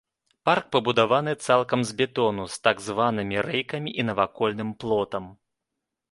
Парк пабудаваны цалкам з бетону, з так званымі рэйкамі і навакольным плотам.